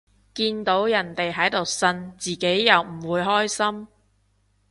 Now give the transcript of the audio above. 見到人哋喺度呻，自己又唔會開心